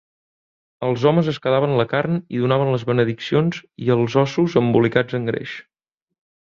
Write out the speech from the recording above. Els homes es quedaven la carn i donaven les benediccions i els ossos embolicats en greix.